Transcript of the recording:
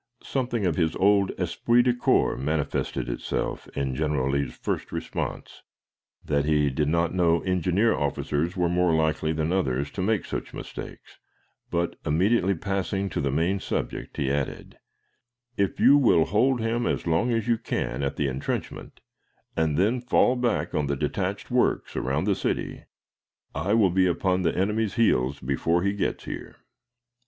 Something of his old esprit de corps manifested itself in General Lee's first response, that he did not know engineer officers were more likely than others to make such mistakes, but, immediately passing to the main subject, he added, "If you will hold him as long as you can at the intrenchment, and then fall back on the detached works around the city, I will be upon the enemy's heels before he gets there."